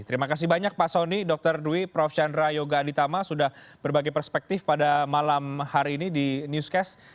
terima kasih banyak pak soni dr dwi prof chandra yoga aditama sudah berbagi perspektif pada malam hari ini di newscast